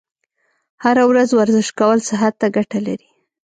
هره ورځ ورزش کول صحت ته ګټه لري.